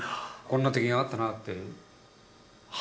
こんなときがあったなって。